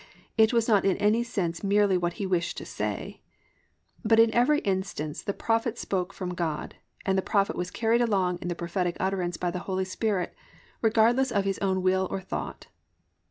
it was not in any sense merely what he wished to say), but in every instance the Prophet spoke from God, and the Prophet was carried along in the prophetic utterance by the Holy Spirit, regardless of his own will or thought_.